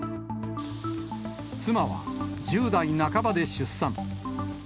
妻は、１０代半ばで出産。